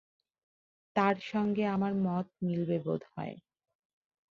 তার সঙ্গে আমার মত মিলবে বোধ হয়।